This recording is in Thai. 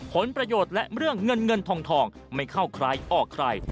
ผลประโยชน์และเรื่องเงินเงินทองไม่เข้าใครออกใคร